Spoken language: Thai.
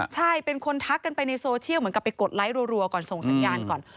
ใช่เป็นคนทักกันไปในโซเชียลเหมือนกับไปกดไลค์รัวก่อนส่งสัญญาณก่อน